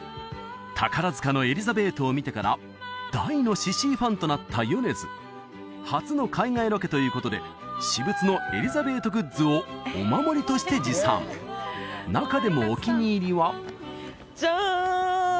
宝塚の「エリザベート」を見てから大のシシィファンとなった米津初の海外ロケということで私物のエリザベートグッズをお守りとして持参中でもお気に入りはジャーン！